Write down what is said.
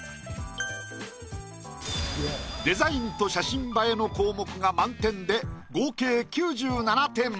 デザインと写真映えの項目が満点で合計９７点。